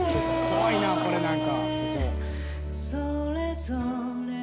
怖いなこれ何かここ。